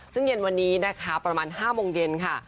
ซึ่งเย็นวันนี้นะคะประมาณ๕โมงเย็นค่ะ